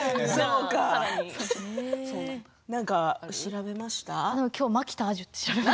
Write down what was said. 何か調べました？